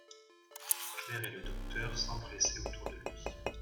Claire et le docteur s'empressaient autour de lui.